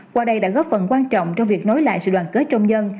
qua đây đã góp phần quan trọng trong việc nối lại sự đoàn kết trong dân